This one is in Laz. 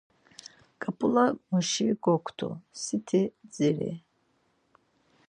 K̆ap̌ulamuşi gokti, siti dziri.